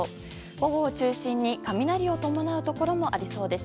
午後を中心に雷を伴うところもありそうです。